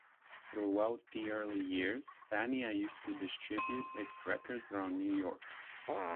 Throughout the early years, Fania used to distribute its records around New York.